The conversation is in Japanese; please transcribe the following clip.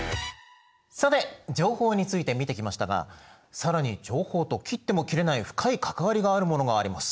さて情報について見てきましたが更に情報と切っても切れない深い関わりがあるものがあります。